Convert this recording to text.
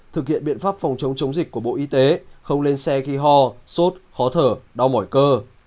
thực hiện biện pháp phòng chống chống dịch của bộ y tế không lên xe khi ho sốt khó thở đau mỏi cơ